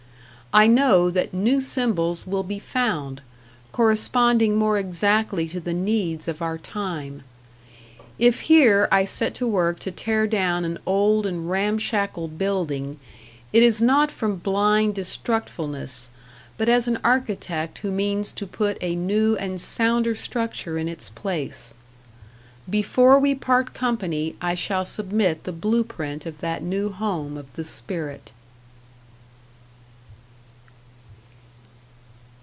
I know that new symbols will be found, corresponding more exactly to the needs of our time. If here I set to work to tear down an old and ramshackle building, it is not from blind destructfulness, but as an architect who means to put a new and sounder structure in its place. Before we part company I shall submit the blue print of that new home of the spirit.